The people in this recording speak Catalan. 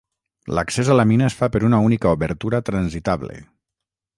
L'accés a la mina es fa per una única obertura transitable.